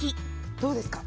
どうですか？